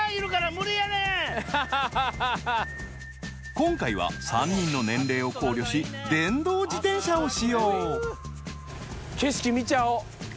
今回は３人の年齢を考慮し電動自転車を使用景色見ちゃおう。